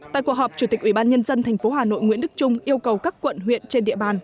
tại cuộc họp chủ tịch ủy ban nhân dân thành phố hà nội nguyễn đức trung yêu cầu các quận huyện trên địa bàn